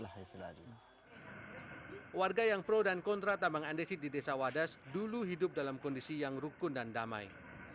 warga yang pro dan kontra tambang andesit di desa wadas dulu hidup dalam kondisi yang rukun dan damai